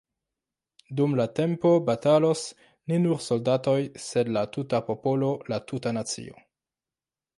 Dum la tempo batalos ne nur soldatoj, sed la tuta popolo, la tuta nacio.